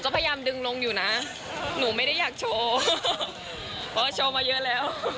เพราะว่าโชว์มาเยอะแล้ว